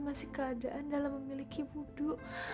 masih keadaan dalam memiliki wudhu